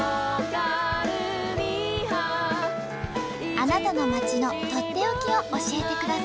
あなたの町のとっておきを教えてください。